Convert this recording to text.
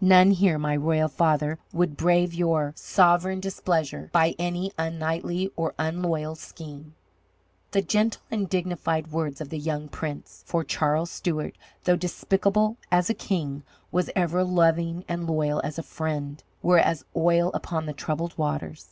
None here, my royal father, would brave your sovereign displeasure by any unknightly or unloyal scheme." The gentle and dignified words of the young prince for Charles Stuart, though despicable as a king, was ever loving and loyal as a friend were as oil upon the troubled waters.